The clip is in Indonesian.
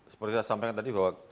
seperti saya sampaikan tadi bahwa